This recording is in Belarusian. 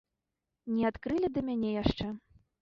Не адкрылі да мяне яшчэ.